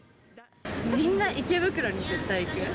みんな、池袋に絶対行く。